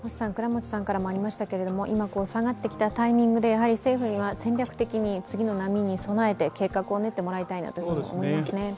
今、下がってきたタイミングで、政府には戦略的に次の波に備えて計画を練ってもらいたいなと思いますね。